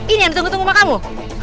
ini yang ditunggu tunggu sama kamu